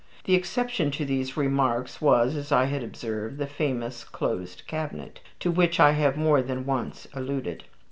The exception to these remarks was, as I had observed, the famous closed cabinet, to which I have more than once alluded.